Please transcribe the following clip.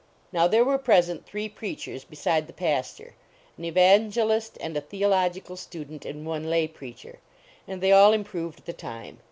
Now, there were present three preachers beside the pastor, an evangelist and a theo logical student and one lay preacher. And they all improved the time.